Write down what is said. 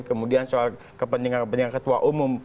kemudian soal kepentingan kepentingan ketua umum